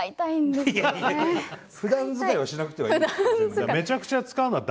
ふだん使いはしなくてもいい。